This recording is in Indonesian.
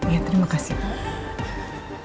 iya terima kasih pak